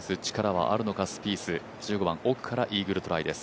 １５番、奥からイーグルトライです。